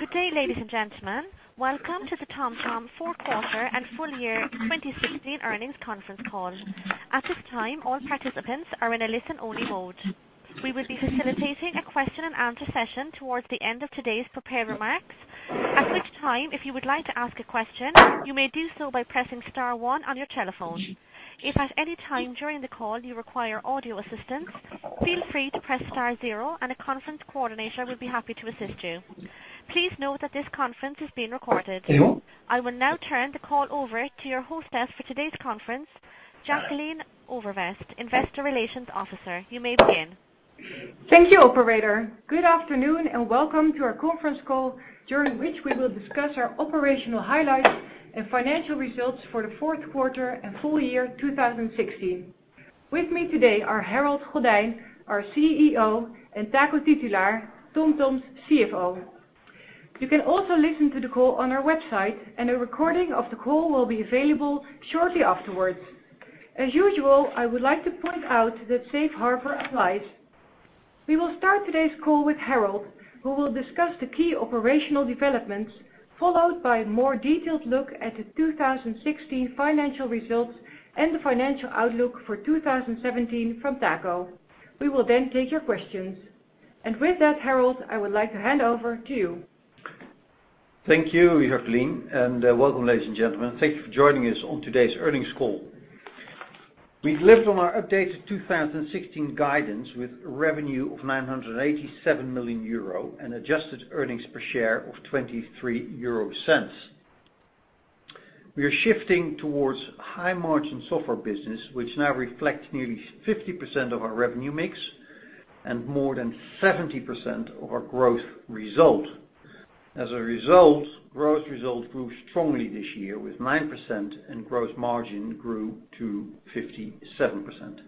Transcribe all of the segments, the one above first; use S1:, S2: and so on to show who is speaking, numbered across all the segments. S1: Good day, ladies and gentlemen. Welcome to the TomTom fourth quarter and full year 2016 earnings conference call. At this time, all participants are in a listen-only mode. We will be facilitating a question and answer session towards the end of today's prepared remarks. At which time, if you would like to ask a question, you may do so by pressing star one on your telephone. If at any time during the call you require audio assistance, feel free to press star zero and a conference coordinator will be happy to assist you. Please note that this conference is being recorded. I will now turn the call over to your hostess for today's conference, Jacoline Overdevest, investor relations officer. You may begin.
S2: Thank you, operator. Good afternoon, welcome to our conference call, during which we will discuss our operational highlights and financial results for the fourth quarter and full year 2016. With me today are Harold Goddijn, our CEO, and Taco Titulaer, TomTom's CFO. You can also listen to the call on our website, and a recording of the call will be available shortly afterwards. As usual, I would like to point out that Safe Harbor applies. We will start today's call with Harold, who will discuss the key operational developments, followed by a more detailed look at the 2016 financial results and the financial outlook for 2017 from Taco. We will then take your questions. With that, Harold, I would like to hand over to you.
S3: Thank you, Jacqueline, welcome, ladies and gentlemen. Thank you for joining us on today's earnings call. We've delivered on our updated 2016 guidance, with revenue of 987 million euro and adjusted earnings per share of 0.23. We are shifting towards high-margin software business, which now reflects nearly 50% of our revenue mix and more than 70% of our gross result. As a result, gross results grew strongly this year with 9%, and gross margin grew to 57%.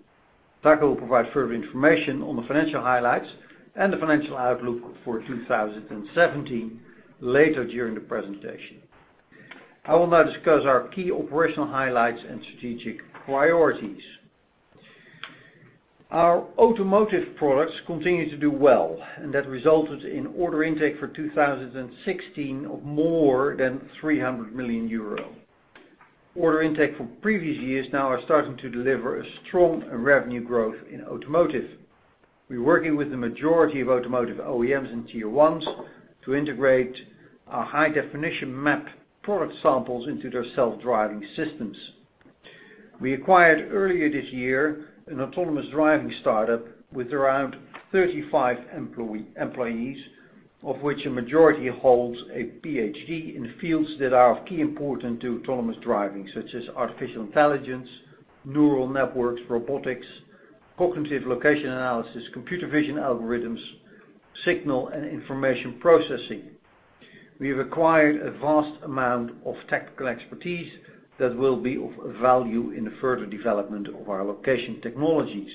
S3: Taco will provide further information on the financial highlights and the financial outlook for 2017 later during the presentation. I will now discuss our key operational highlights and strategic priorities. Our automotive products continue to do well, that resulted in order intake for 2016 of more than 300 million euro. Order intake from previous years now are starting to deliver a strong revenue growth in automotive. We're working with the majority of automotive OEMs and Tier 1s to integrate our high-definition map product samples into their self-driving systems. We acquired earlier this year an autonomous driving startup with around 35 employees, of which a majority holds a PhD in fields that are of key importance to autonomous driving, such as artificial intelligence, neural networks, robotics, cognitive location analysis, computer vision algorithms, signal and information processing. We have acquired a vast amount of technical expertise that will be of value in the further development of our location technologies.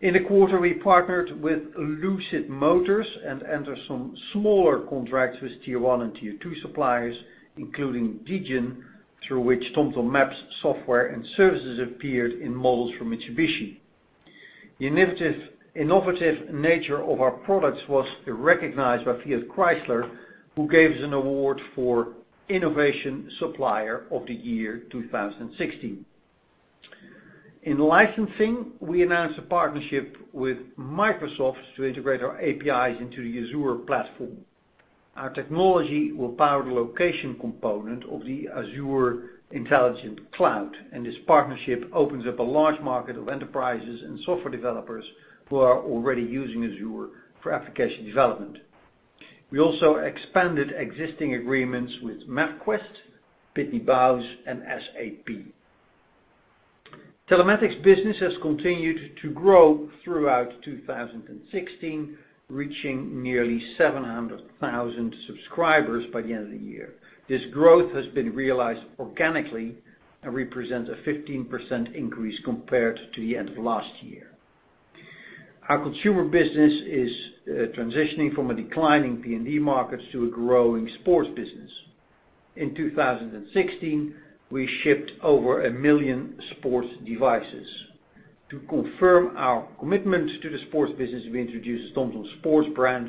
S3: In the quarter, we partnered with Lucid Motors and entered some smaller contracts with Tier 1 and Tier 2 suppliers, including Digen, through which TomTom maps, software, and services appeared in models for Mitsubishi. The innovative nature of our products was recognized by Fiat Chrysler, who gave us an award for Innovation Supplier of the Year 2016. In licensing, we announced a partnership with Microsoft to integrate our APIs into the Azure platform. Our technology will power the location component of the Azure intelligent cloud. This partnership opens up a large market of enterprises and software developers who are already using Azure for application development. We also expanded existing agreements with MapQuest, Pitney Bowes, and SAP. Telematics business has continued to grow throughout 2016, reaching nearly 700,000 subscribers by the end of the year. This growth has been realized organically and represents a 15% increase compared to the end of last year. Our consumer business is transitioning from a declining PND market to a growing sports business. In 2016, we shipped over 1 million sports devices. To confirm our commitment to the sports business, we introduced TomTom's sports brand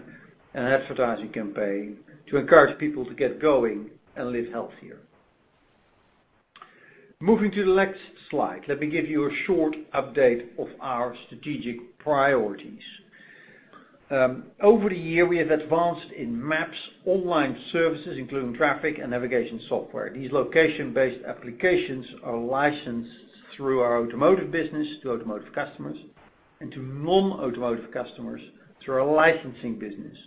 S3: and advertising campaign to encourage people to get going and live healthier. Moving to the next slide, let me give you a short update of our strategic priorities. Over the year, we have advanced in maps, online services, including traffic and navigation software. These location-based applications are licensed through our automotive business to automotive customers and to non-automotive customers through our licensing business.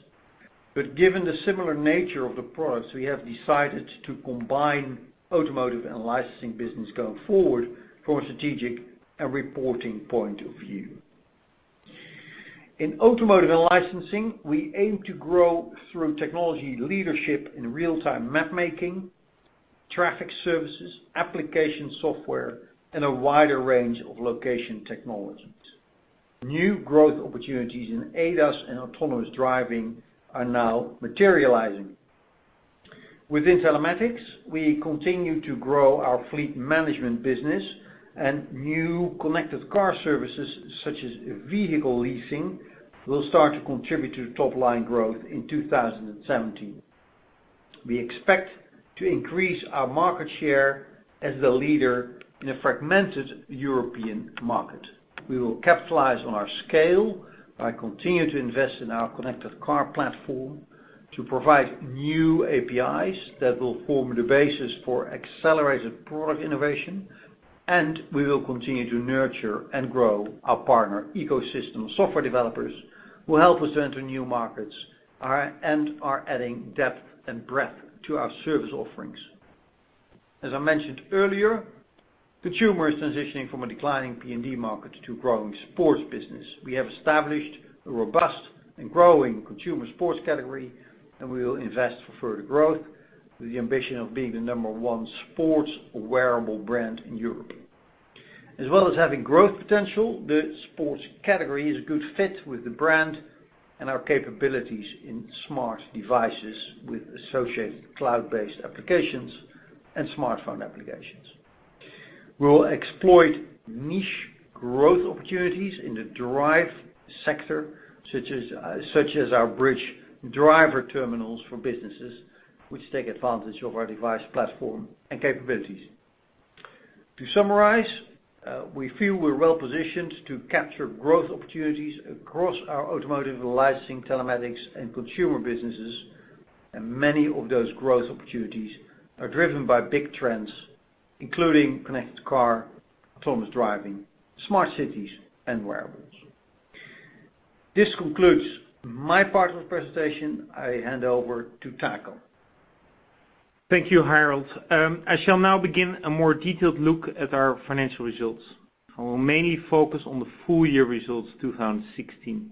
S3: Given the similar nature of the products, we have decided to combine automotive and licensing business going forward from a strategic and reporting point of view. In automotive and licensing, we aim to grow through technology leadership in real-time mapmaking, traffic services, application software, and a wider range of location technologies. New growth opportunities in ADAS and autonomous driving are now materializing. Within telematics, we continue to grow our fleet management business and new connected car services, such as vehicle leasing, will start to contribute to top-line growth in 2017. We expect to increase our market share as the leader in a fragmented European market. We will capitalize on our scale by continuing to invest in our connected car platform to provide new APIs that will form the basis for accelerated product innovation. We will continue to nurture and grow our partner ecosystem software developers who help us to enter new markets and are adding depth and breadth to our service offerings. As I mentioned earlier, consumer is transitioning from a declining PND market to growing sports business. We have established a robust and growing consumer sports category, and we will invest for further growth with the ambition of being the number one sports wearable brand in Europe. As well as having growth potential, the sports category is a good fit with the brand and our capabilities in smart devices with associated cloud-based applications and smartphone applications. We will exploit niche growth opportunities in the drive sector, such as our bridge driver terminals for businesses, which take advantage of our device platform and capabilities. To summarize, we feel we are well positioned to capture growth opportunities across our automotive licensing, telematics, and consumer businesses. Many of those growth opportunities are driven by big trends, including connected car, autonomous driving, smart cities, and wearables. This concludes my part of the presentation. I hand over to Taco.
S4: Thank you, Harold. I shall now begin a more detailed look at our financial results. I will mainly focus on the full year results 2016.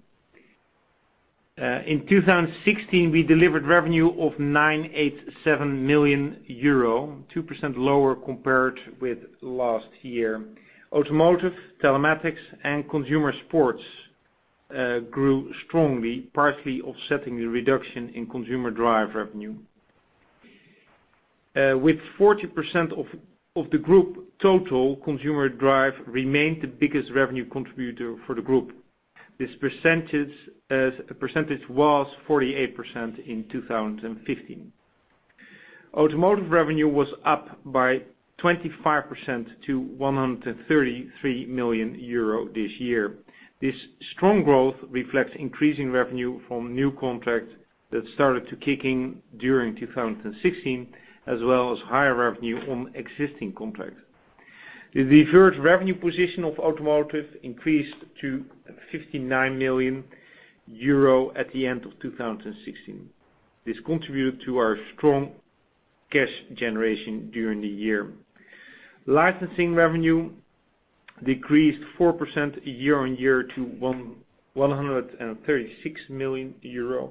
S4: In 2016, we delivered revenue of 987 million euro, 2% lower compared with last year. Automotive, telematics, and consumer sports grew strongly, partly offsetting the reduction in consumer drive revenue. With 40% of the group total, consumer drive remained the biggest revenue contributor for the group. This percentage was 48% in 2015. Automotive revenue was up by 25% to 133 million euro this year. This strong growth reflects increasing revenue from new contracts that started to kick in during 2016, as well as higher revenue on existing contracts. The deferred revenue position of automotive increased to 59 million euro at the end of 2016. This contributed to our strong cash generation during the year. Licensing revenue decreased 4% year-on-year to 136 million euro,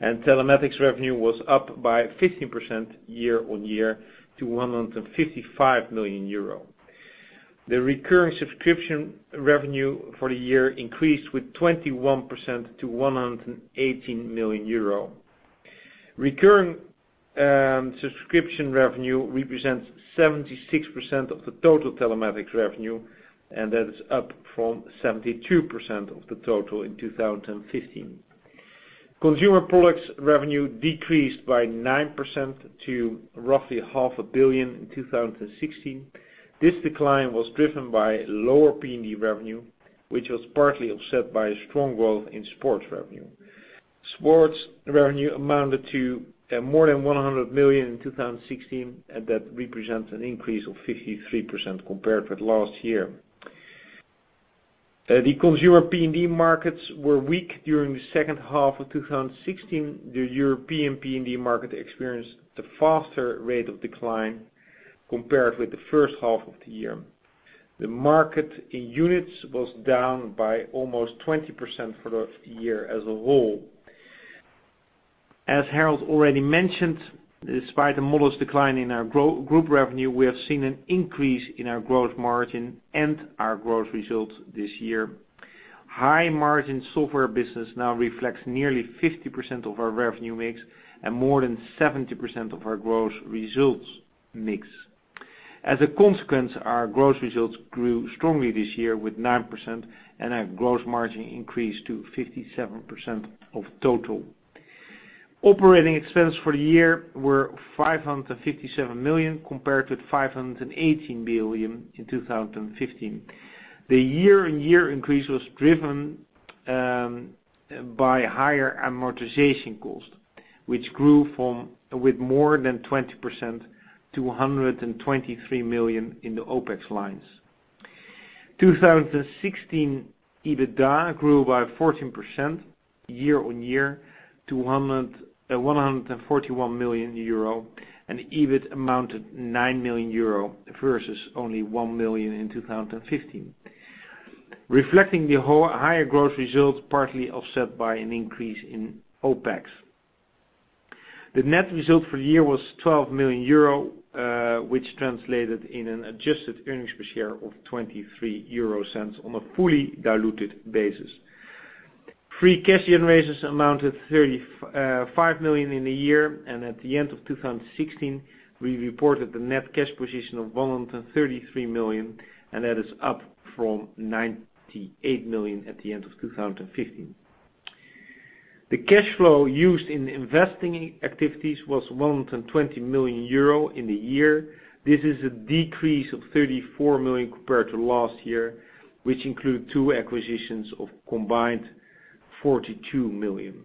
S4: and telematics revenue was up by 15% year-on-year to 155 million euro. The recurring subscription revenue for the year increased with 21% to 118 million euro. Recurring subscription revenue represents 76% of the total telematics revenue, and that is up from 72% of the total in 2015. Consumer products revenue decreased by 9% to roughly half a billion in 2016. This decline was driven by lower PND revenue, which was partly offset by a strong growth in sports revenue. Sports revenue amounted to more than 100 million in 2016, and that represents an increase of 53% compared with last year. The consumer PND markets were weak during the second half of 2016. The European PND market experienced the faster rate of decline compared with the first half of the year. The market in units was down by almost 20% for the year as a whole. As Harold already mentioned, despite the modest decline in our group revenue, we have seen an increase in our gross margin and our gross results this year. High margin software business now reflects nearly 50% of our revenue mix and more than 70% of our gross results mix. As a consequence, our gross results grew strongly this year with 9%, and our gross margin increased to 57% of total. Operating expense for the year were 557 million compared with 518 million in 2015. The year-on-year increase was driven by higher amortization cost, which grew with more than 20% to 123 million in the OpEx lines. 2016 EBITDA grew by 14% year-on-year to 141 million euro and EBIT amounted 9 million euro versus only 1 million in 2015, reflecting the higher gross results, partly offset by an increase in OpEx. The net result for the year was 12 million euro, which translated in an adjusted earnings per share of 0.23 on a fully diluted basis. Free cash generators amounted 35 million in a year. At the end of 2016, we reported the net cash position of 133 million, and that is up from 98 million at the end of 2015. The cash flow used in investing activities was 120 million euro in the year. This is a decrease of 34 million compared to last year, which include two acquisitions of combined 42 million.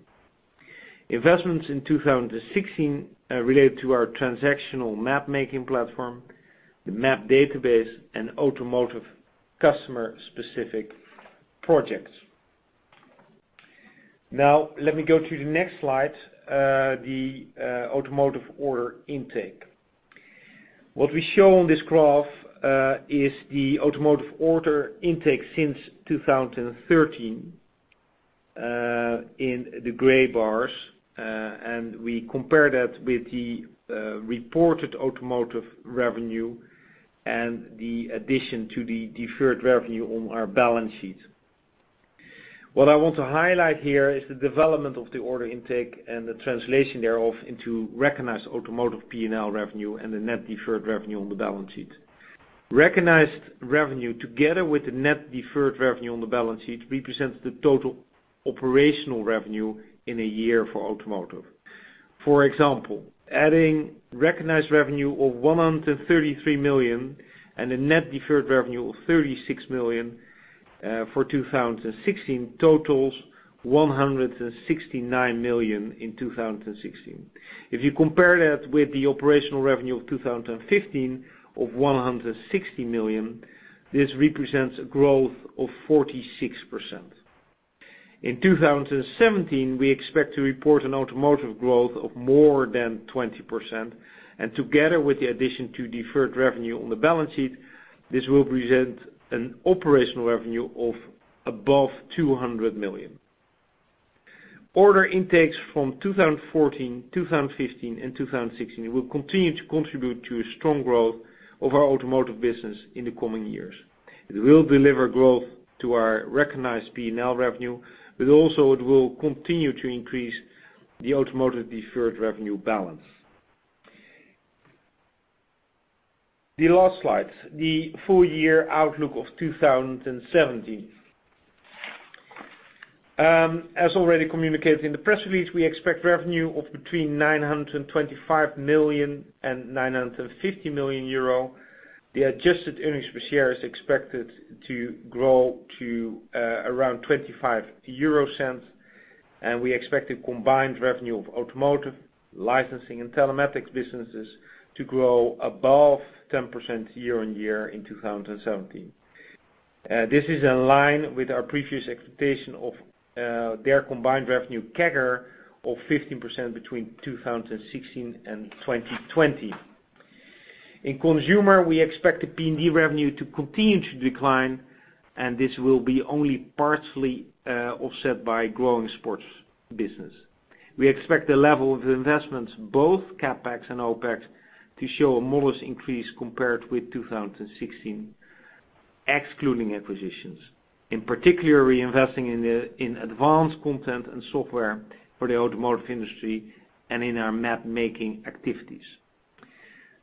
S4: Investments in 2016 relate to our transactional mapmaking platform, the map database, and automotive customer specific projects. Let me go to the next slide, the automotive order intake. What we show on this graph, is the automotive order intake since 2013, in the gray bars. We compare that with the reported automotive revenue and the addition to the deferred revenue on our balance sheet. What I want to highlight here is the development of the order intake and the translation thereof into recognized automotive P&L revenue and the net deferred revenue on the balance sheet. Recognized revenue together with the net deferred revenue on the balance sheet represents the total operational revenue in a year for automotive. For example, adding recognized revenue of 133 million and a net deferred revenue of 36 million for 2016 totals 169 million in 2016. If you compare that with the operational revenue of 2015 of 160 million, this represents a growth of 46%. In 2017, we expect to report an automotive growth of more than 20%. Together with the addition to deferred revenue on the balance sheet, this will present an operational revenue of above 200 million. Order intakes from 2014, 2015 and 2016 will continue to contribute to a strong growth of our automotive business in the coming years. It will deliver growth to our recognized P&L revenue, but also it will continue to increase the automotive deferred revenue balance. The last slide, the full year outlook of 2017. As already communicated in the press release, we expect revenue of between 925 million and 950 million euro. The adjusted earnings per share is expected to grow to around 0.25, and we expect a combined revenue of automotive licensing and telematics businesses to grow above 10% year-on-year in 2017. This is in line with our previous expectation of their combined revenue CAGR of 15% between 2016 and 2020. In consumer, we expect the PND revenue to continue to decline, this will be only partially offset by growing sports business. We expect the level of investments, both CapEx and OpEx, to show a modest increase compared with 2016, excluding acquisitions. In particular, we're investing in advanced content and software for the automotive industry and in our mapmaking activities.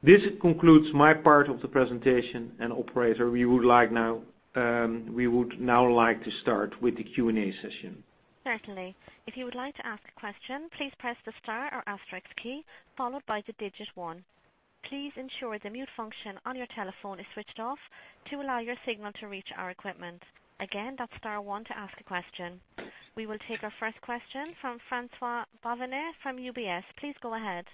S4: This concludes my part of the presentation. Operator, we would now like to start with the Q&A session.
S1: Certainly. If you would like to ask a question, please press the star or asterisk key followed by the digit one. Please ensure the mute function on your telephone is switched off to allow your signal to reach our equipment. Again, that's star one to ask a question. We will take our first question from Francois-Xavier Bouvignies from UBS. Please go ahead.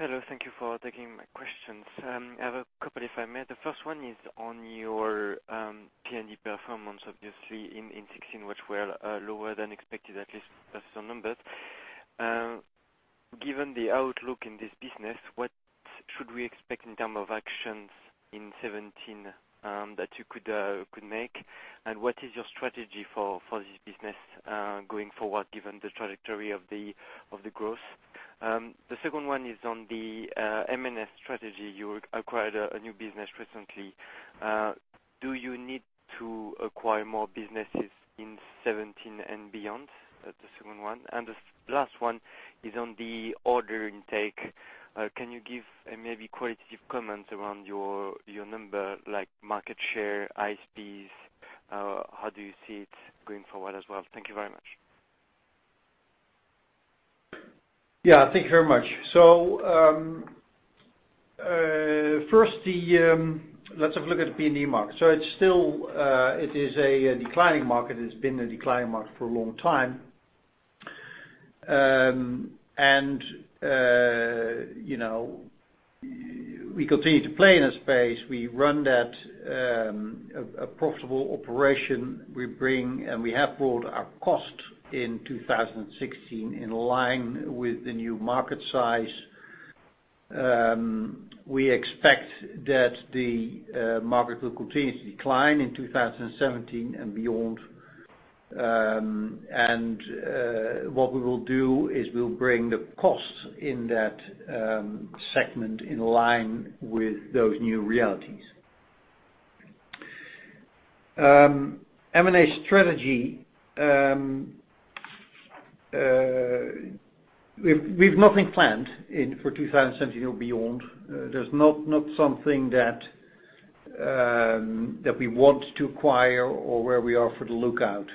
S5: Hello. Thank you for taking my questions. I have a couple if I may. The first one is on your PND performance, obviously in 2016, which were lower than expected, at least based on numbers. Given the outlook in this business, what should we expect in terms of actions in 2017, that you could make? What is your strategy for this business, going forward, given the trajectory of the growth? The second one is on the M&A strategy. You acquired a new business recently. Do you need to acquire more businesses in 2017 and beyond? That's the second one. The last one is on the order intake. Can you give a maybe qualitative comment around your number, like market share, ASPs? How do you see it going forward as well? Thank you very much.
S4: Yeah, thank you very much. First let's have a look at the PND market. It is a declining market. It's been a declining market for a long time. We continue to play in that space. We run that, a profitable operation. We bring and we have brought our costs in 2016 in line with the new market size. We expect that the market will continue to decline in 2017 and beyond. What we will do is we'll bring the costs in that segment in line with those new realities.
S3: M&A strategy. We've nothing planned for 2017 or beyond. There's not something that we want to acquire or where we are on the lookout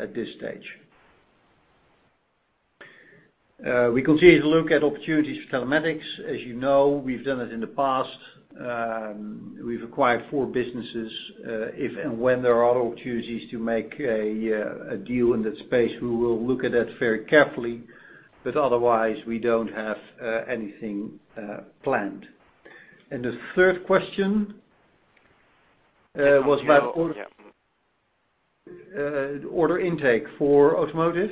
S3: at this stage. We continue to look at opportunities for telematics. As you know, we've done it in the past. We've acquired four businesses. If and when there are other opportunities to make a deal in that space, we will look at that very carefully. Otherwise, we don't have anything planned. The third question was about order intake for automotive?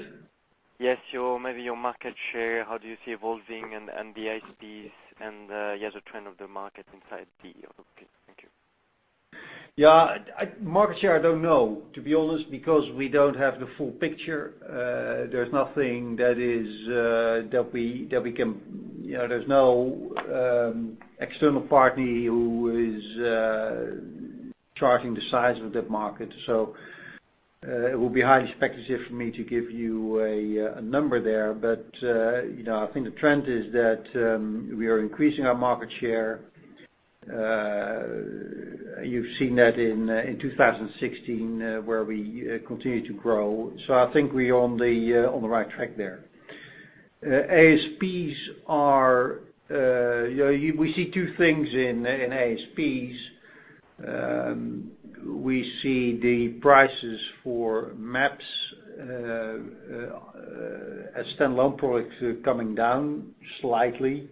S5: Yes. Maybe your market share, how do you see it evolving and the ASPs and the trend of the market? Okay, thank you.
S3: Yeah. Market share, I don't know, to be honest, because we don't have the full picture. There's no external party who is charting the size of that market. It would be highly speculative for me to give you a number there. I think the trend is that we are increasing our market share. You've seen that in 2016, where we continued to grow. I think we are on the right track there. ASPs, we see two things in ASPs. We see the prices for maps as standalone products coming down slightly.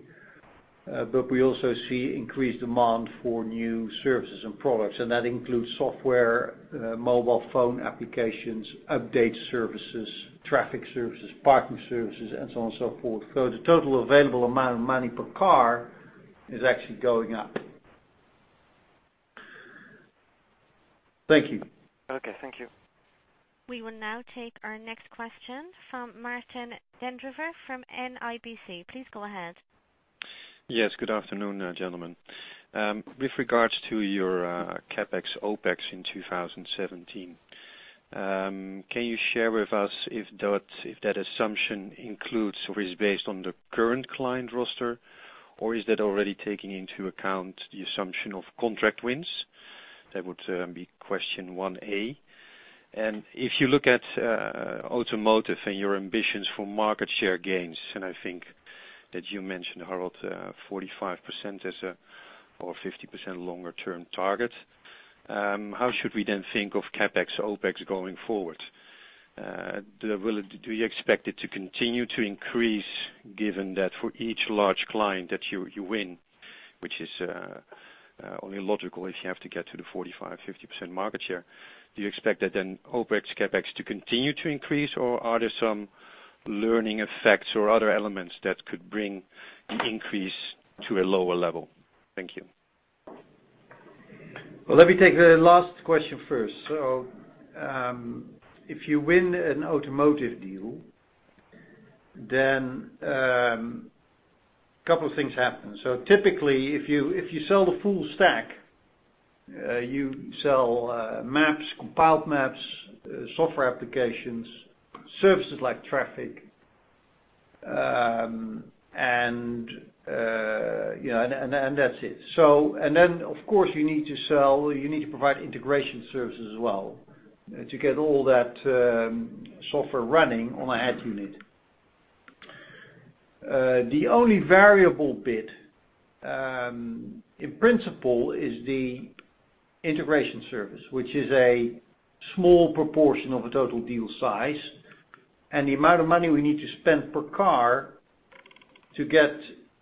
S3: We also see increased demand for new services and products, and that includes software, mobile phone applications, update services, traffic services, parking services, and so on and so forth. The total available amount of money per car is actually going up. Thank you.
S5: Okay, thank you.
S1: We will now take our next question from Martijn den Drijver from NIBC. Please go ahead.
S6: Yes, good afternoon, gentlemen. With regards to your CapEx, OpEx in 2017, can you share with us if that assumption includes or is based on the current client roster, or is that already taking into account the assumption of contract wins? That would be question 1A. If you look at automotive and your ambitions for market share gains, and I think that you mentioned, Harold, 45% or 50% longer term target, how should we then think of CapEx, OpEx going forward? Do you expect it to continue to increase given that for each large client that you win, which is only logical if you have to get to the 45%, 50% market share, do you expect that then OpEx, CapEx to continue to increase, or are there some learning effects or other elements that could bring the increase to a lower level? Thank you.
S3: Let me take the last question first. If you win an automotive deal, a couple of things happen. Typically, if you sell the full stack, you sell maps, compiled maps, software applications, services like traffic, and that's it. Then, of course, you need to provide integration services as well to get all that software running on a head unit. The only variable bit, in principle, is the integration service, which is a small proportion of the total deal size. The amount of money we need to spend per car to get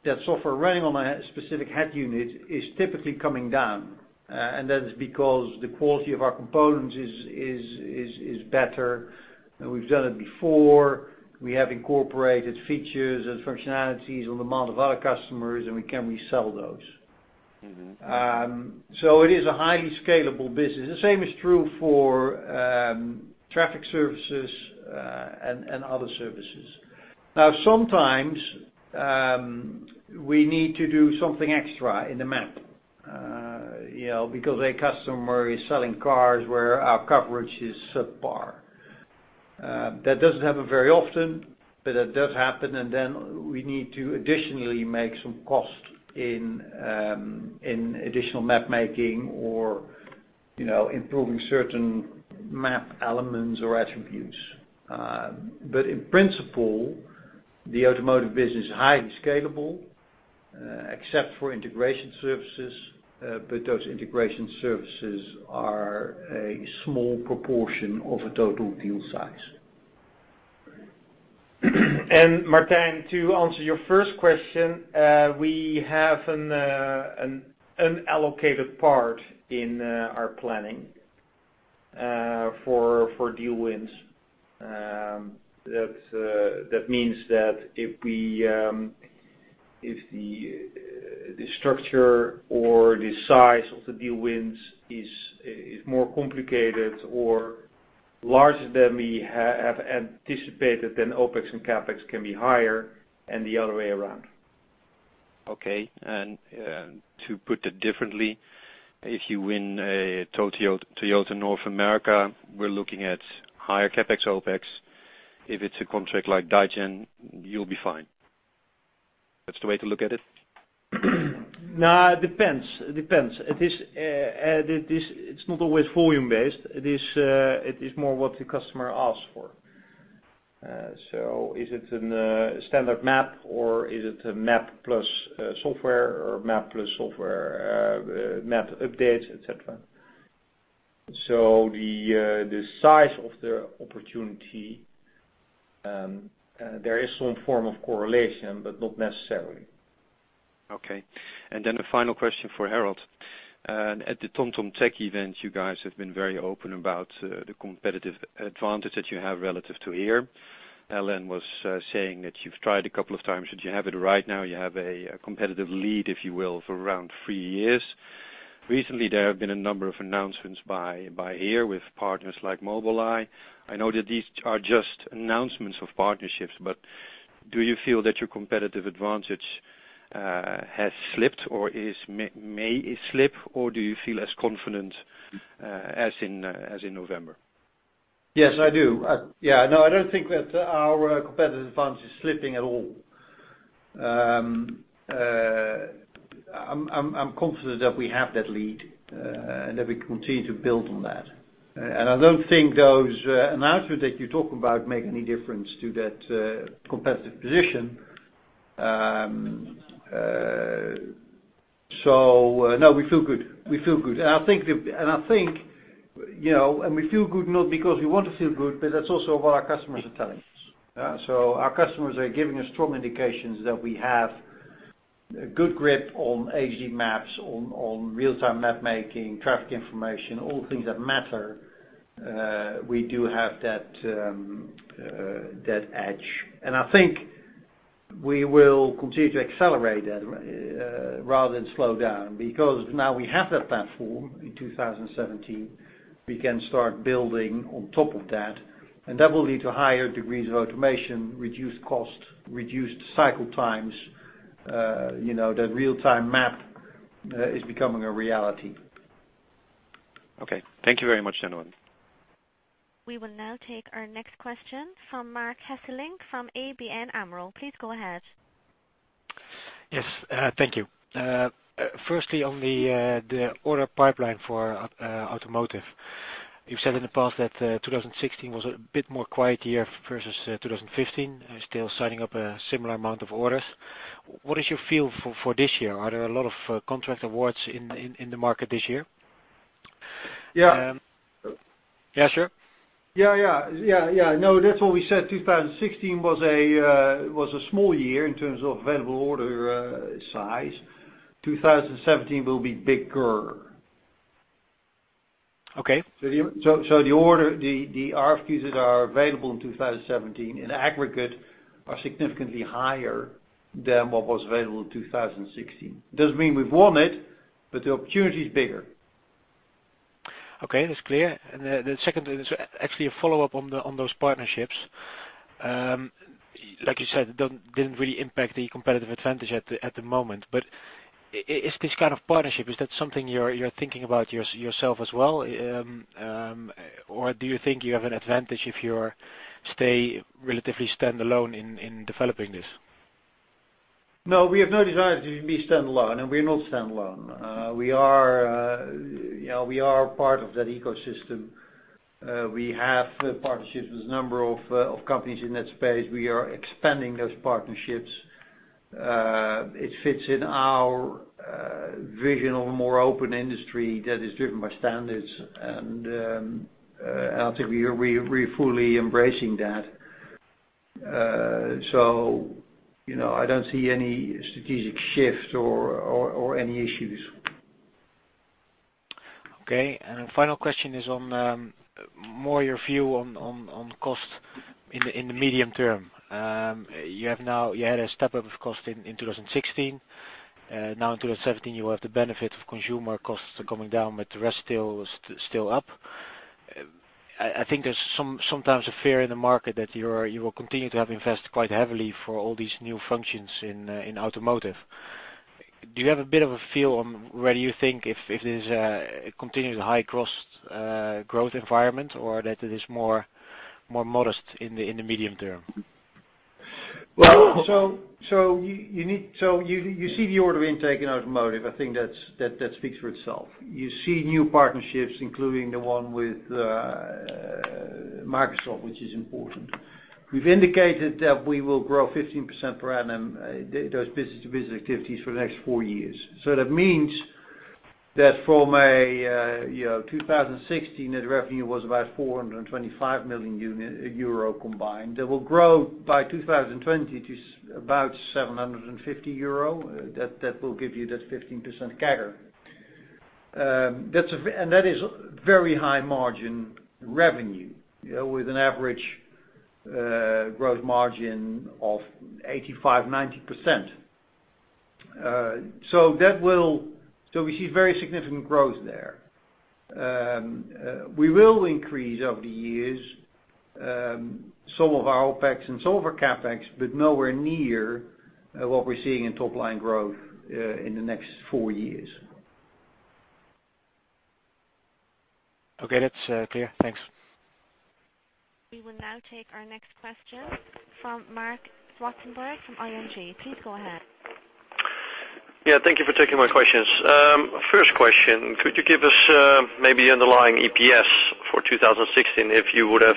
S3: that software running on a specific head unit is typically coming down. That is because the quality of our components is better, and we've done it before. We have incorporated features and functionalities on demand of our customers, and we can resell those. It is a highly scalable business. The same is true for traffic services and other services. Sometimes, we need to do something extra in the map because a customer is selling cars where our coverage is subpar. That doesn't happen very often, but it does happen, and then we need to additionally make some cost in additional map making or improving certain map elements or attributes. In principle, the automotive business is highly scalable, except for integration services, but those integration services are a small proportion of the total deal size.
S4: Martin, to answer your first question, we have an unallocated part in our planning for deal wins. That means that if the structure or the size of the deal wins is more complicated or larger than we have anticipated, OpEx and CapEx can be higher and the other way around.
S6: Okay. To put that differently, if you win a total Toyota North America, we're looking at higher CapEx OpEx. If it's a contract like Digen, you'll be fine. That's the way to look at it?
S3: It depends. It's not always volume-based. It is more what the customer asks for. Is it a standard map or is it a map plus software or map plus software map updates, et cetera? The size of the opportunity, there is some form of correlation, but not necessarily.
S6: Okay. A final question for Harold. At the TomTom Tech event, you guys have been very open about the competitive advantage that you have relative to HERE. Harold was saying that you've tried a couple of times, but you have it right now. You have a competitive lead, if you will, for around three years. Recently, there have been a number of announcements by HERE with partners like Mobileye. I know that these are just announcements of partnerships, but do you feel that your competitive advantage has slipped or may slip, or do you feel as confident as in November?
S3: Yes, I do. I don't think that our competitive advantage is slipping at all. I'm confident that we have that lead and that we continue to build on that. I don't think those announcements that you talk about make any difference to that competitive position. No, we feel good. We feel good not because we want to feel good, but that's also what our customers are telling us. Our customers are giving us strong indications that we have a good grip on HD maps, on real-time mapmaking, traffic information, all things that matter. We do have that edge. I think we will continue to accelerate that rather than slow down, because now we have that platform in 2017, we can start building on top of that, and that will lead to higher degrees of automation, reduced cost, reduced cycle times. That real-time map is becoming a reality.
S6: Okay. Thank you very much, gentlemen.
S1: We will now take our next question from Marc Hesselink from ABN AMRO. Please go ahead.
S7: Yes, thank you. Firstly, on the order pipeline for automotive. You've said in the past that 2016 was a bit more quiet year versus 2015, still signing up a similar amount of orders. What is your feel for this year? Are there a lot of contract awards in the market this year?
S3: Yeah.
S7: Yeah, sure?
S3: Yeah. No, that's what we said, 2016 was a small year in terms of available order size. 2017 will be bigger.
S7: Okay.
S3: The RFPs that are available in 2017 in aggregate are significantly higher than what was available in 2016. Doesn't mean we've won it, but the opportunity is bigger.
S7: Okay, that's clear. Then second, actually a follow-up on those partnerships. Like you said, didn't really impact the competitive advantage at the moment. Is this kind of partnership, is that something you're thinking about yourself as well? Do you think you have an advantage if you stay relatively standalone in developing this?
S3: No, we have no desire to be standalone, and we're not standalone. We are part of that ecosystem. We have partnerships with a number of companies in that space. We are expanding those partnerships. It fits in our vision of a more open industry that is driven by standards, and I think we are fully embracing that. I don't see any strategic shift or any issues.
S7: Okay. Final question is on more your view on cost in the medium term. You had a step-up of cost in 2016. Now in 2017, you have the benefit of consumer costs coming down, but the rest is still up. I think there's sometimes a fear in the market that you will continue to have invest quite heavily for all these new functions in automotive. Do you have a bit of a feel on whether you think if there's a continually high cost growth environment or that it is more modest in the medium term?
S3: You see the order intake in automotive. I think that speaks for itself. You see new partnerships, including the one with Microsoft, which is important. We've indicated that we will grow 15% per annum, those business-to-business activities for the next four years. That means that from 2016, that revenue was about 425 million euro combined. That will grow by 2020 to about 750 euro. That will give you that 15% CAGR. That is very high gross margin revenue, with an average gross margin of 85%-90%. We see very significant growth there.
S4: We will increase over the years some of our OpEx and some of our CapEx, but nowhere near what we're seeing in top-line growth in the next four years.
S7: Okay, that's clear. Thanks.
S1: We will now take our next question from Marc Zwartsenburg from ING. Please go ahead.
S8: Yeah. Thank you for taking my questions. First question, could you give us maybe underlying EPS for 2016 if you would have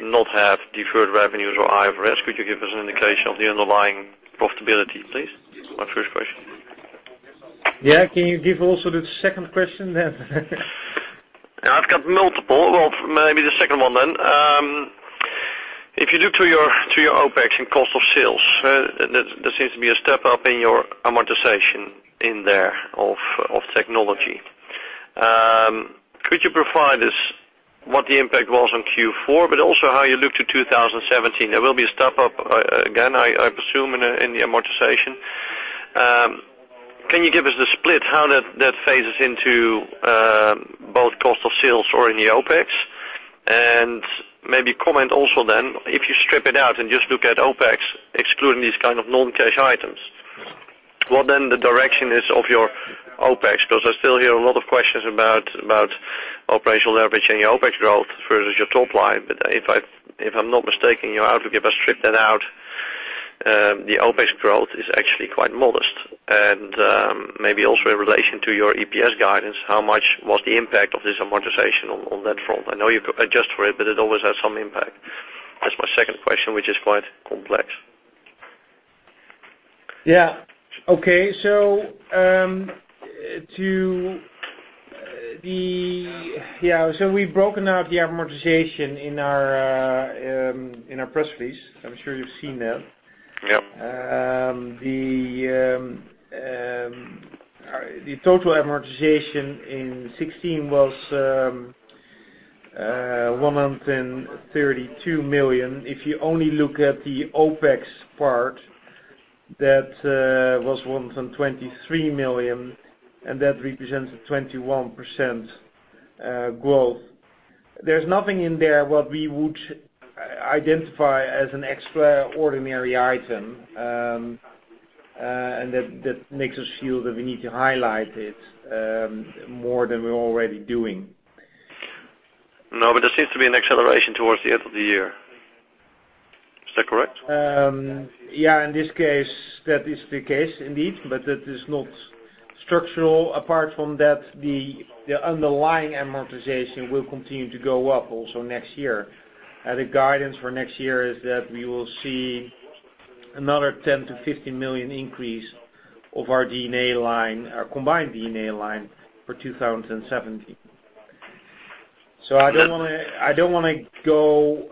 S8: not have deferred revenues or IFRS? Could you give us an indication of the underlying profitability, please? My first question.
S4: Yeah. Can you give also the second question then?
S8: Yeah, I've got multiple. Well, maybe the second one then. If you look to your OpEx and cost of sales, there seems to be a step up in your amortization in there of technology. Could you provide us what the impact was on Q4, but also how you look to 2017? There will be a step up again, I presume, in the amortization. Can you give us the split how that phases into both cost of sales or in the OpEx? Maybe comment also then, if you strip it out and just look at OpEx excluding these kind of non-cash items, what then the direction is of your OpEx, because I still hear a lot of questions about operational leverage and your OpEx growth versus your top line. If I'm not mistaken, you're out if you strip that out. The OpEx growth is actually quite modest. Maybe also in relation to your EPS guidance, how much was the impact of this amortization on that front? I know you adjust for it, but it always has some impact. That's my second question, which is quite complex.
S4: Okay. We've broken out the amortization in our press release. I'm sure you've seen that.
S8: Yep.
S4: The total amortization in 2016 was 132 million. If you only look at the OpEx part, that was 123 million, and that represents a 21% growth. There's nothing in there what we would identify as an extraordinary item, and that makes us feel that we need to highlight it more than we're already doing.
S8: There seems to be an acceleration towards the end of the year. Is that correct?
S4: In this case, that is the case indeed. That is not structural. Apart from that, the underlying amortization will continue to go up also next year. The guidance for next year is that we will see another 10 million-15 million increase of our combined D&A line for 2017. I don't want to go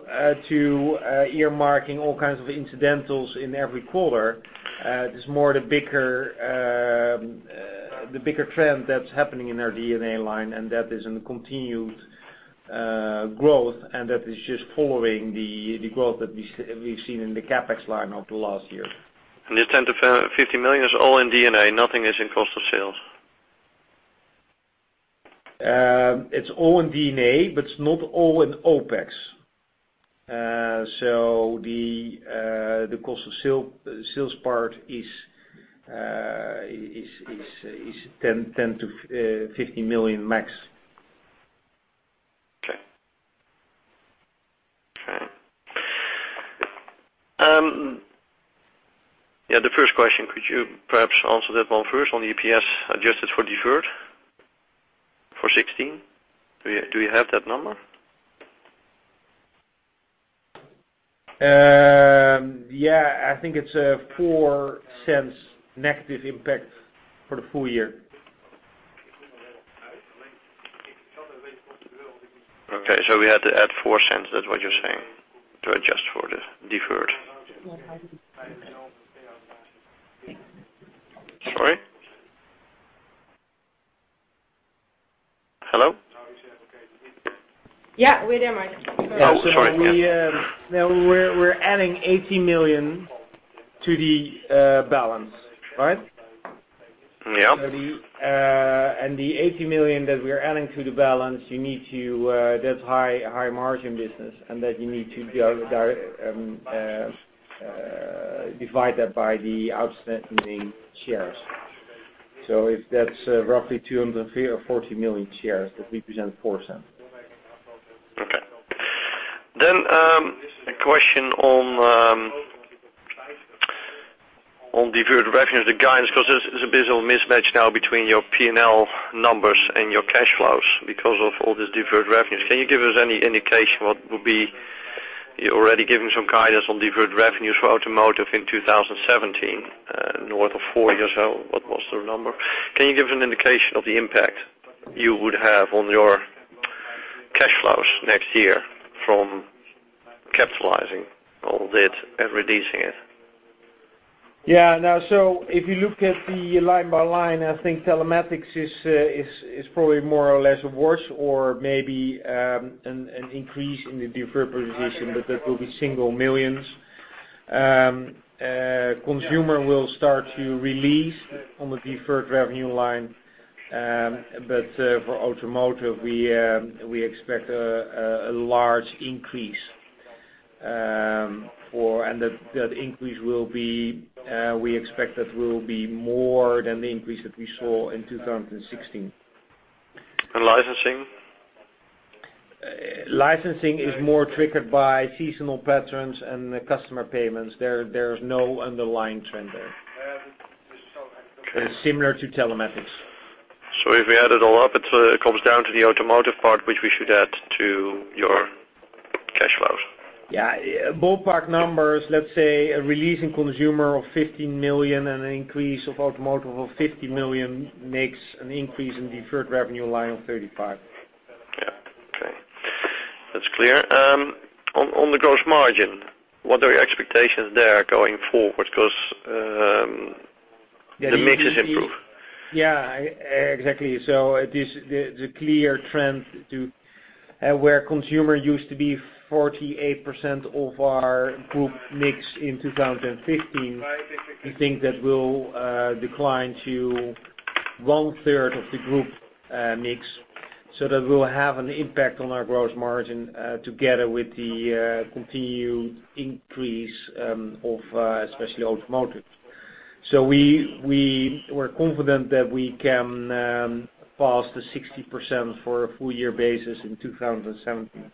S4: to earmarking all kinds of incidentals in every quarter. It is more the bigger trend that's happening in our D&A line, and that is in continued growth, and that is just following the growth that we've seen in the CapEx line over the last year.
S8: This 10 million-50 million is all in D&A, nothing is in cost of sales?
S4: It's all in D&A. It's not all in OpEx. The cost of sales part is 10 million-15 million max.
S8: Okay. The first question, could you perhaps answer that one first on EPS adjusted for deferred for 2016? Do you have that number?
S4: I think it's a 0.04 negative impact for the full year.
S8: We had to add 0.04, that's what you're saying, to adjust for the deferred. Sorry. Hello?
S1: We're there, Marc.
S8: Sorry.
S4: We're adding 80 million to the balance, right?
S8: Yeah.
S4: The 80 million that we're adding to the balance, that's high margin business, and that you need to divide that by the outstanding shares. If that's roughly 240 million shares, that represents 0.04.
S8: Okay. A question on deferred revenues, the guidance, because there's a bit of a mismatch now between your P&L numbers and your cash flows because of all these deferred revenues. Can you give us any indication what would be, you're already giving some guidance on deferred revenues for automotive in 2017, north of four years. What was the number? Can you give us an indication of the impact you would have on your cash flows next year from capitalizing all that and releasing it?
S4: Yeah. If you look at the line by line, I think telematics is probably more or less worse or maybe an increase in the deferred position, but that will be single millions. Consumer will start to release on the deferred revenue line. For automotive, we expect a large increase. That increase, we expect that will be more than the increase that we saw in 2016.
S8: Licensing?
S4: Licensing is more triggered by seasonal patterns and customer payments. There is no underlying trend there.
S8: Okay.
S4: Similar to telematics.
S8: If we add it all up, it comes down to the automotive part, which we should add to your cash flow.
S4: Yeah. Ballpark numbers, let's say, a release in consumer of 15 million and an increase of automotive of 50 million makes an increase in deferred revenue line of 35 million.
S8: Yeah. Okay. That's clear. On the gross margin, what are your expectations there going forward? The mix is improved.
S4: Yeah, exactly. It is the clear trend to where consumer used to be 48% of our group mix in 2015. We think that will decline to one third of the group mix. That will have an impact on our gross margin, together with the continued increase of, especially automotive. We're confident that we can pass the 60% for a full-year basis in 2017.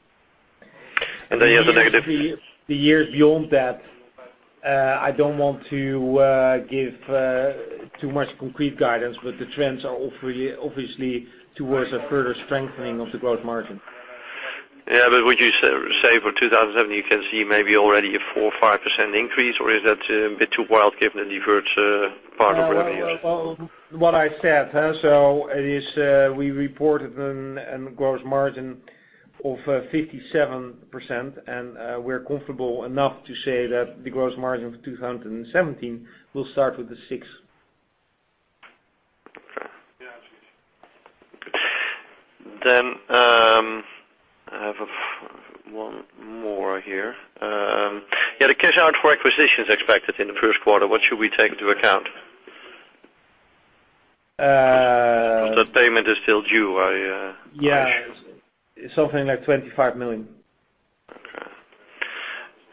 S8: You have the.
S4: The years beyond that, I don't want to give too much concrete guidance, but the trends are obviously towards a further strengthening of the gross margin.
S8: Yeah, would you say for 2017, you can see maybe already a 4% or 5% increase, or is that a bit too wild, given the deferred part of revenues?
S4: What I said. We reported a gross margin of 57%, and we're comfortable enough to say that the gross margin for 2017 will start with the six.
S8: I have one more here. The cash out for acquisitions expected in the first quarter, what should we take into account? That payment is still due, I assume.
S4: It's something like 25 million.
S8: Okay.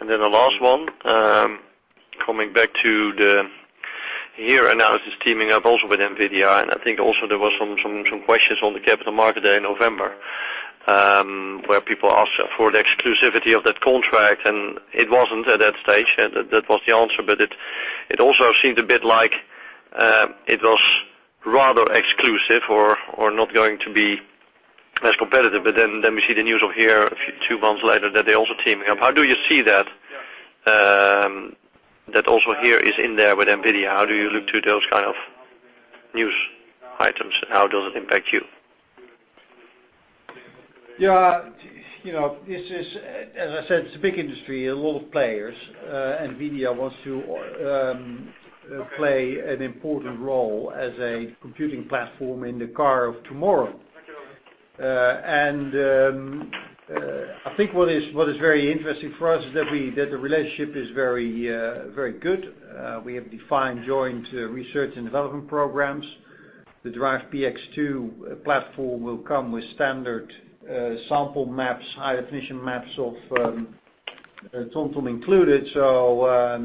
S8: The last one, coming back to the HERE analysis teaming up also with NVIDIA. I think also there was some questions on the Capital Market Day in November, where people asked for the exclusivity of that contract, and it wasn't at that stage, that was the answer. It also seemed a bit like it was rather exclusive or not going to be as competitive. We see the news of HERE a few, two months later that they're also teaming up. How do you see that also HERE is in there with NVIDIA? How do you look to those kind of news items? How does it impact you?
S3: As I said, it's a big industry, a lot of players. NVIDIA wants to play an important role as a computing platform in the car of tomorrow. I think what is very interesting for us is that the relationship is very good. We have defined joint research and development programs. The DRIVE PX 2 platform will come with standard sample maps, high-definition maps of TomTom included, so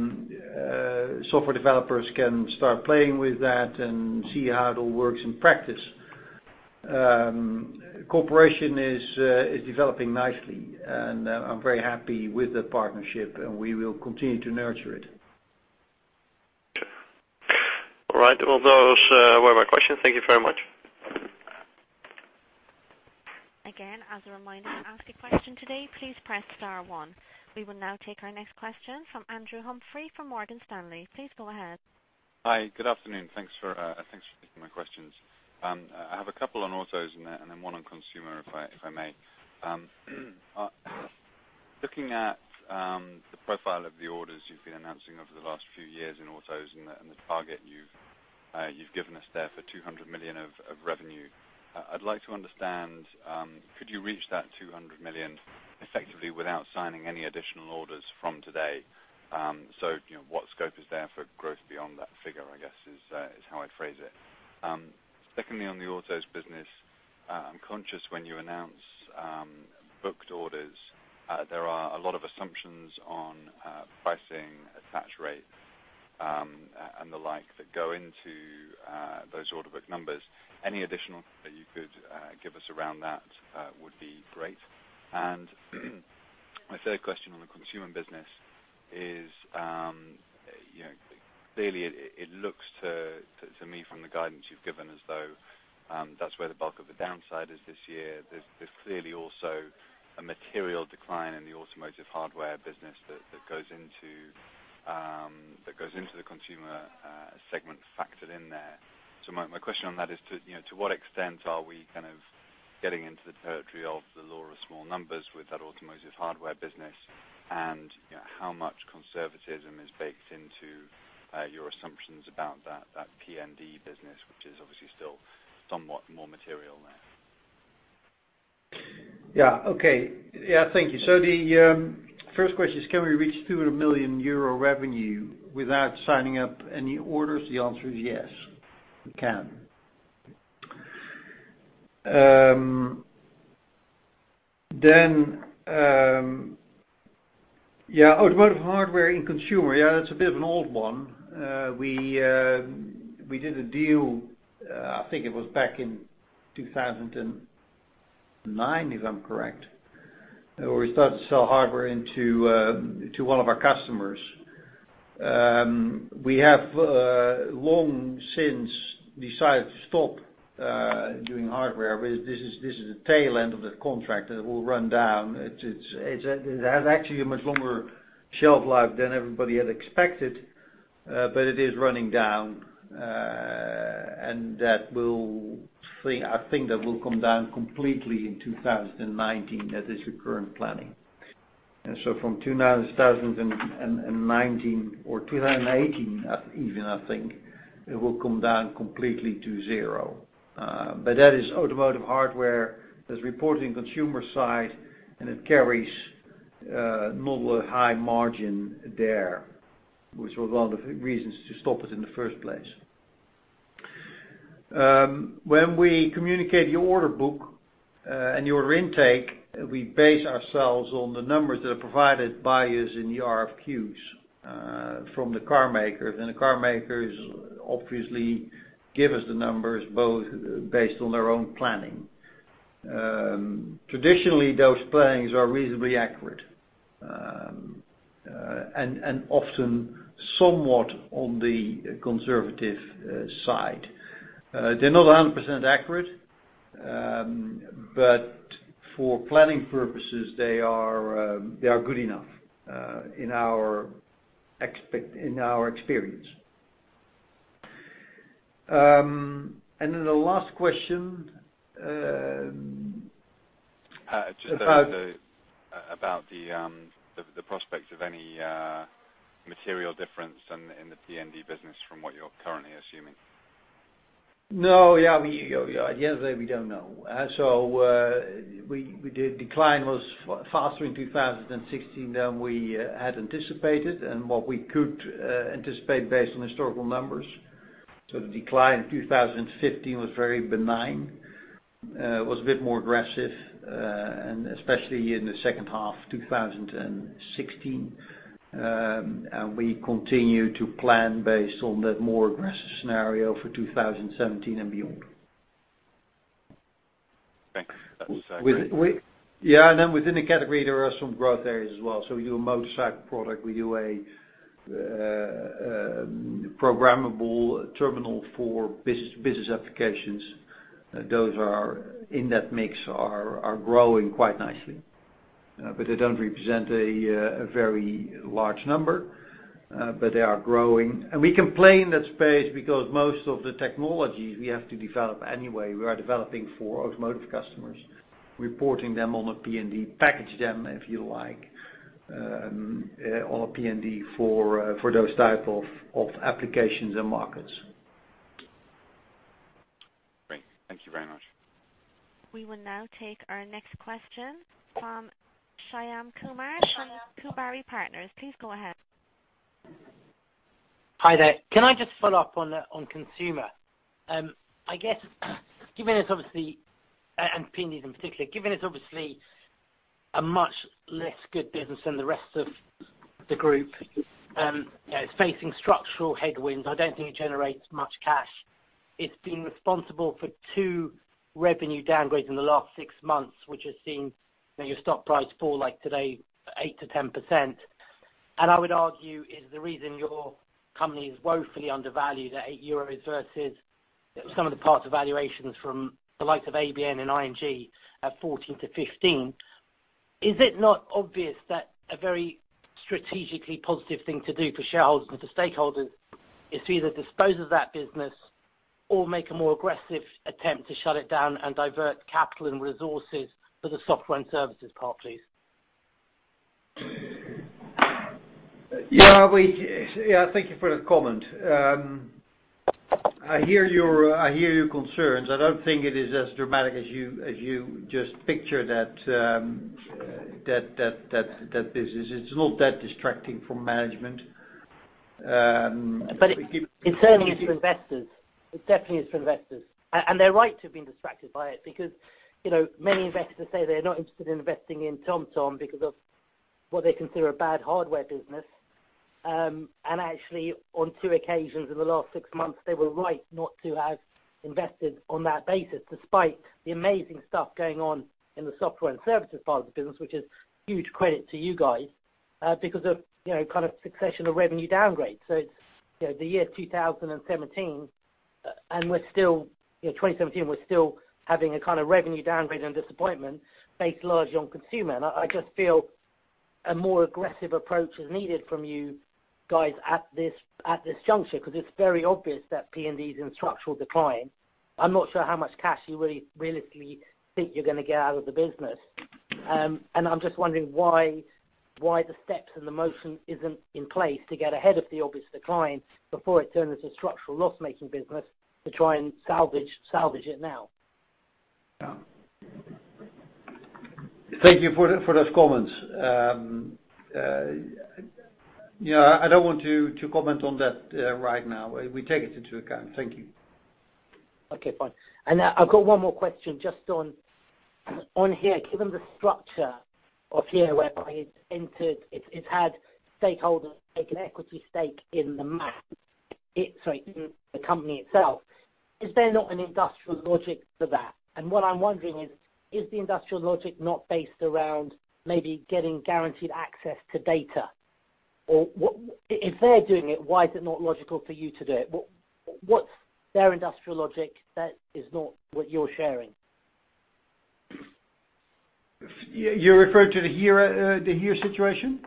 S3: software developers can start playing with that and see how it all works in practice. Cooperation is developing nicely, and I'm very happy with the partnership, and we will continue to nurture it.
S8: Okay. All right. Those were my questions. Thank you very much.
S1: Again, as a reminder, to ask a question today, please press star one. We will now take our next question from Andrew Humphrey from Morgan Stanley. Please go ahead.
S9: Hi. Good afternoon. Thanks for taking my questions. I have a couple on autos and one on consumer, if I may. Looking at the profile of the orders you've been announcing over the last few years in autos and the target you've given us there for 200 million of revenue, I'd like to understand, could you reach that 200 million effectively without signing any additional orders from today? What scope is there for growth beyond that figure, I guess, is how I'd phrase it. Secondly, on the autos business, I'm conscious when you announce booked orders, there are a lot of assumptions on pricing, attach rate, and the like that go into those order book numbers. Any additional that you could give us around that would be great. My third question on the consumer business is, clearly it looks to me from the guidance you've given as though that's where the bulk of the downside is this year. There's clearly also a material decline in the automotive hardware business that goes into the consumer segment factored in there. My question on that is, to what extent are we kind of getting into the territory of the law of small numbers with that automotive hardware business? And how much conservatism is baked into your assumptions about that PND business, which is obviously still somewhat more material there?
S3: Yeah. Okay. Thank you. The first question is, can we reach 200 million euro revenue without signing up any orders? The answer is yes, we can. Then, automotive hardware in consumer. Yeah, it's a bit of an old one. We did a deal, I think it was back in 2009, if I'm correct, where we started to sell hardware to one of our customers. We have long since decided to stop doing hardware. This is the tail end of that contract that will run down. It has actually a much longer shelf life than everybody had expected, but it is running down, and I think that will come down completely in 2019. That is the current planning. From 2019 or 2018 even, I think, it will come down completely to zero. That is automotive hardware that's reported in consumer side, and it carries not a high margin there, which was one of the reasons to stop it in the first place. When we communicate the order book and the order intake, we base ourselves on the numbers that are provided by us in the RFQs from the car makers. The car makers obviously give us the numbers both based on their own planning. Traditionally, those plannings are reasonably accurate, and often somewhat on the conservative side. They are not 100% accurate, but for planning purposes, they are good enough in our experience. The last question.
S9: About the prospect of any material difference in the PND business from what you're currently assuming.
S3: No, yeah. At the end of the day, we don't know. The decline was faster in 2016 than we had anticipated and what we could anticipate based on historical numbers. The decline in 2015 was very benign, was a bit more aggressive, and especially in the second half 2016. We continue to plan based on that more aggressive scenario for 2017 and beyond.
S9: Thanks. That's great.
S3: Within the category, there are some growth areas as well. We do a motorcycle product. We do a programmable terminal for business applications. Those are, in that mix, are growing quite nicely. They don't represent a very large number, but they are growing. We can play in that space because most of the technologies we have to develop anyway, we are developing for automotive customers, reporting them on a PND, package them, if you like, on a PND for those type of applications and markets.
S9: Great. Thank you very much.
S1: We will now take our next question from Shyam Kumar from Kuvari Partners. Please go ahead.
S10: Hi there. Can I just follow up on consumer? I guess, given it's obviously, and PND in particular, given it's obviously a much less good business than the rest of the group, it's facing structural headwinds. I don't think it generates much cash. It's been responsible for two revenue downgrades in the last six months, which has seen your stock price fall like today, 8%-10%. I would argue is the reason your company is woefully undervalued at 8 euros versus some of the parts valuations from the likes of ABN and ING at 14-15. Is it not obvious that a very strategically positive thing to do for shareholders and for stakeholders is to either dispose of that business or make a more aggressive attempt to shut it down and divert capital and resources for the software and services part, please?
S3: Yeah, thank you for the comment. I hear your concerns. I don't think it is as dramatic as you just picture that business. It's not that distracting from management.
S10: It certainly is for investors. It definitely is for investors. They're right to have been distracted by it because many investors say they're not interested in investing in TomTom because of what they consider a bad hardware business. Actually, on two occasions in the last six months, they were right not to have invested on that basis, despite the amazing stuff going on in the software and services part of the business, which is huge credit to you guys, because of succession of revenue downgrades. It's the year 2017, and we're still having a kind of revenue downgrade and disappointment based largely on consumer. I just feel a more aggressive approach is needed from you guys at this juncture, because it's very obvious that PND is in structural decline. I'm not sure how much cash you realistically think you're going to get out of the business. I'm just wondering why the steps and the motion isn't in place to get ahead of the obvious decline before it turns into structural loss-making business to try and salvage it now?
S3: Yeah. Thank you for those comments. I don't want to comment on that right now. We take it into account. Thank you.
S10: Okay, fine. I've got one more question just on HERE, given the structure of HERE whereby it's had stakeholders take an equity stake in the map, sorry, the company itself. Is there not an industrial logic for that? What I'm wondering is the industrial logic not based around maybe getting guaranteed access to data? If they're doing it, why is it not logical for you to do it? What's their industrial logic that is not what you're sharing?
S3: You're referring to the HERE situation?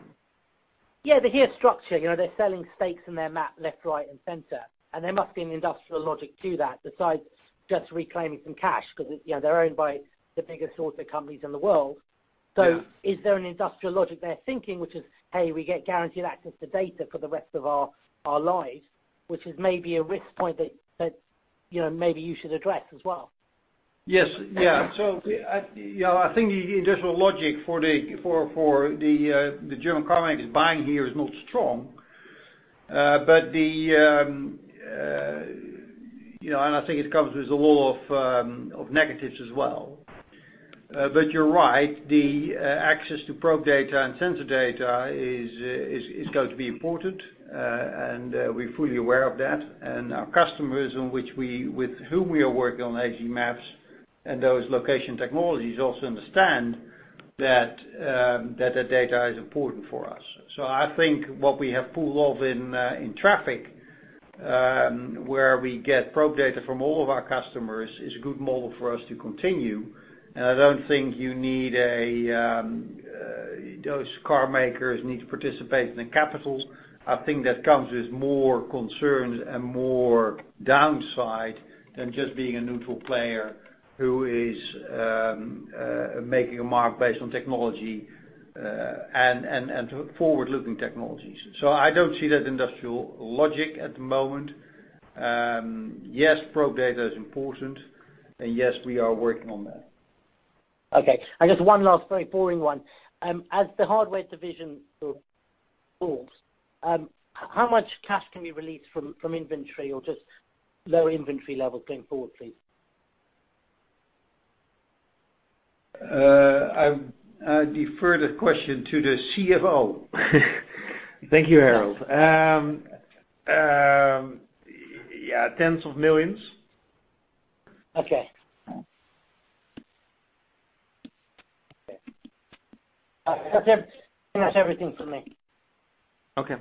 S10: Yeah, the HERE structure. They're selling stakes in their map left, right, and center. There must be an industrial logic to that besides just reclaiming some cash because they're owned by the biggest automotive companies in the world.
S3: Yeah.
S10: Is there an industrial logic they're thinking, which is, "Hey, we get guaranteed access to data for the rest of our lives," which is maybe a risk point that maybe you should address as well?
S3: Yes. I think the industrial logic for the German carmakers buying HERE is not strong. I think it comes with a lot of negatives as well. You're right, the access to probe data and sensor data is going to be important, and we're fully aware of that. Our customers with whom we are working on HD maps and those location technologies, also understand that that data is important for us. I think what we have pulled off in traffic, where we get probe data from all of our customers, is a good model for us to continue. I don't think those car makers need to participate in the capital. I think that comes with more concerns and more downside than just being a neutral player who is making a mark based on technology, and forward-looking technologies. I don't see that industrial logic at the moment. Yes, probe data is important, and yes, we are working on that.
S10: Okay. I guess one last very boring one. As the hardware division falls, how much cash can be released from inventory or just lower inventory levels going forward, please?
S3: I defer that question to the CFO.
S4: Thank you, Harold. Yeah, tens of millions EUR.
S10: Okay. That's everything from me.
S3: Okay.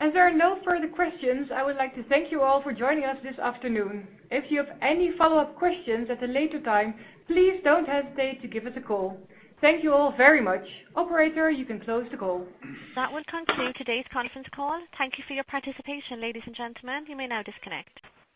S2: As there are no further questions, I would like to thank you all for joining us this afternoon. If you have any follow-up questions at a later time, please don't hesitate to give us a call. Thank you all very much. Operator, you can close the call.
S1: That will conclude today's conference call. Thank you for your participation, ladies and gentlemen. You may now disconnect.